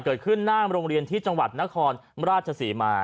หน้าโรงเรียนที่จังหวัดนครราชศรีมา